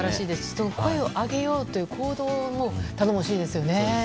その声を上げようという行動も頼もしいですよね。